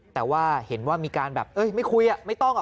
แต่ว่าเห็นว่ามีการแบบไม่คุยอ่ะไม่ต้องอะ